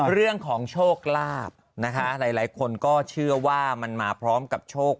เรื่องของโชคลาภนะคะหลายคนก็เชื่อว่ามันมาพร้อมกับโชค